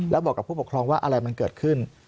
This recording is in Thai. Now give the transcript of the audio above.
แล้วบอกกับผู้ปกครองว่าอะไรมันเกิดขึ้น